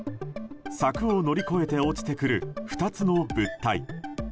柵を乗り越えて落ちてくる２つの物体。